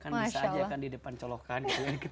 kan bisa aja kan di depan colokan